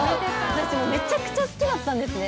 私めちゃくちゃ好きだったんですね。